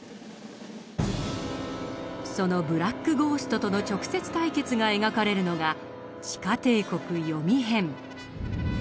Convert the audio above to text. そのブラック・ゴーストとの直接対決が描かれるのが「地下帝国“ヨミ”編」。